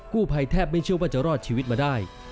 ภัยแทบไม่เชื่อว่าจะรอดชีวิตมาได้